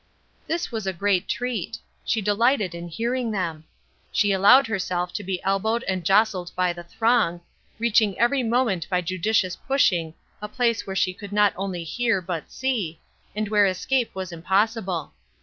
This was a great treat; she delighted in hearing them. She allowed herself to be elbowed and jostled by the throng, reaching every moment by judicious pushing a place where she could not only hear but see, and where escape was impossible.